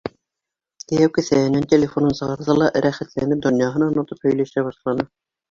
Кейәү кеҫәһенән телефонын сығарҙы ла, рәхәтләнеп, донъяһын онотоп һөйләшә башланы: